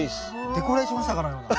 デコレーションしたかのような。